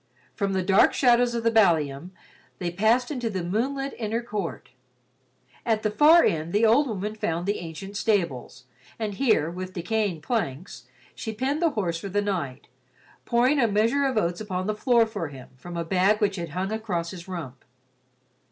From the dark shadows of the ballium, they passed into the moonlit inner court. At the far end the old woman found the ancient stables, and here, with decaying planks, she penned the horse for the night, pouring a measure of oats upon the floor for him from a bag which had hung across his rump.